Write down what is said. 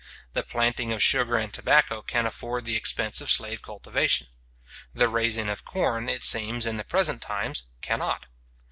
The planting of sugar and tobacco can afford the expense of slave cultivation. The raising of corn, it seems, in the present times, cannot.